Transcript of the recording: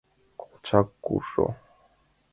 Колчак куржо.